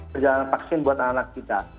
perjalanan vaksin buat anak anak kita